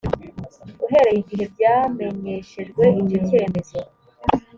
uhereye igihe byamenyeshejwe icyo cyemezo